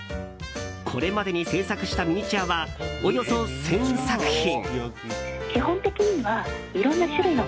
これまでに制作したミニチュアはおよそ１０００作品。